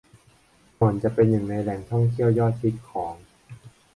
ก่อนจะเป็นหนึ่งในแหล่งท่องเที่ยวยอดฮิตของ